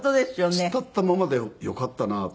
突っ立ったままでよかったなと。